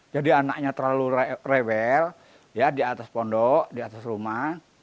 jadi anaknya terlalu rewel ya di atas pondok di atas rumah